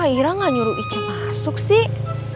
hah kok aira nggak nyuruh ica masuk sih